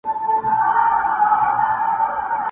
که هر څه وږی يم، سږي نه خورم.